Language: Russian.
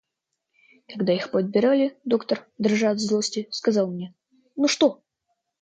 Когда их подбирали, доктор, дрожа от злости, сказал мне: — Ну что?